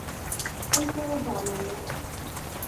Amek ara ẓren aya?